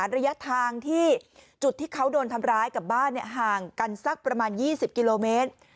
ระยะทางที่จุดที่เขาโดนทำร้ายกับบ้านห่างกันสักประมาณ๒๐กิโลเมตร